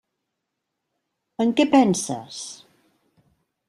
En què penses?